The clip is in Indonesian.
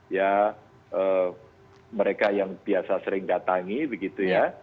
ya mereka yang biasa sering datangi begitu ya